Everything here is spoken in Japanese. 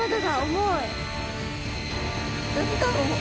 重い。